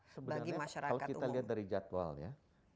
sebenarnya kalau kita lihat dari jadwal ya